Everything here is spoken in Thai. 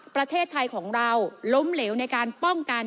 ประเทศไทยของเราล้มเหลวในการป้องกัน